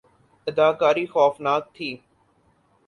اداکاری خوفناک تھی